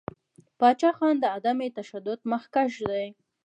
پاچاخان د عدم تشدد مخکښ دی.